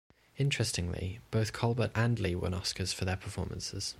Interestingly, both Colbert and Leigh won Oscars for their performances.